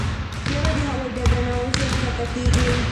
طیاره د هوايي ډګر نه الوزي او کښته کېږي.